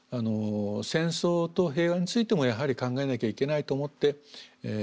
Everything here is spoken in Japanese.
戦争と平和についてもやはり考えなきゃいけないと思っています。